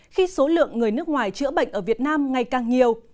khi số lượng người nước ngoài chữa bệnh ở việt nam ngày càng nhiều